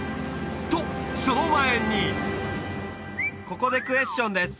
とその前にここでクエスチョンです